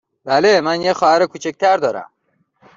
بله، من یک خواهر کوچک تر دارم.